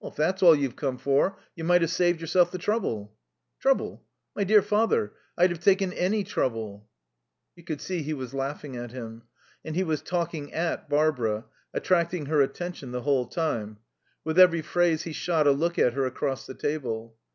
"If that's all you've come for you might have saved yourself the trouble." "Trouble? My dear father, I'd have taken any trouble." You could see he was laughing at him. And he was talking at Barbara, attracting her attention the whole time; with every phrase he shot a look at her across the table.